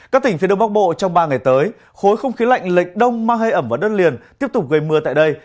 các tỉnh phía đông bắc bộ trong ba ngày tới khối không khí lạnh lệch đông mang hơi ẩm vào đất liền tiếp tục gây mưa tại đây